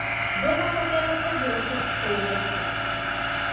Дома папера згадзілася б што ўвярцець.